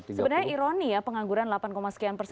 sebenarnya ironi ya pengangguran delapan sekian persen